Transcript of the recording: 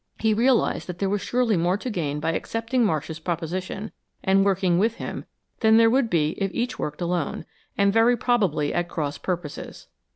He realized that there was surely more to gain by accepting Marsh's proposition, and working with him, than there would be if each worked alone, and very probably at cross purposes.